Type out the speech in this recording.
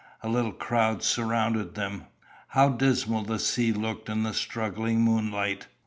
A little crowd surrounded them. How dismal the sea looked in the struggling moonlight!